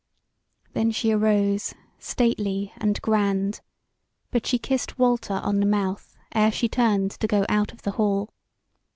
Then she arose stately and grand; but she kissed Walter on the mouth ere she turned to go out of the hall.